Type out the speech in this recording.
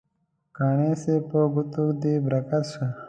قانع صاحب په ګوتو دې برکت شه.